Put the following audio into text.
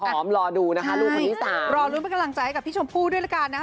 หอมรอดูนะคะรูปคนที่สามใช่รอรุ้นเป็นกำลังใจกับพี่ชมพูด้วยละกันนะ